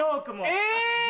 え！